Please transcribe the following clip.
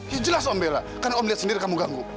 ya jelas om bella karena om lihat sendiri kamu ganggu